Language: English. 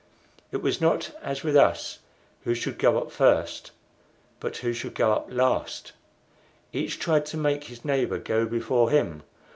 It was not, as with us, who should go up first, but who should go up last; each tried to make his neighbor go before him.